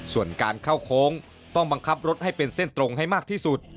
ส่วนการเข้าโค้งต้องบังคับรถให้เป็นเส้นตรงให้มากที่สุด